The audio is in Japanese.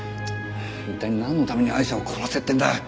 一体なんのためにアイシャを殺せっていうんだ！